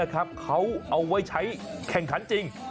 เขาเอาไว้ใช้แข่งขันจริง